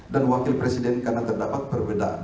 dan wakil presiden karena terdapat perbedaan